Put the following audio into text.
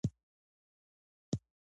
د بانک مالک یوه اندازه پیسې په پور ورکوي